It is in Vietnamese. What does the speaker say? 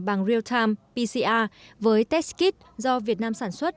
bằng real time pcr với test kit do việt nam sản xuất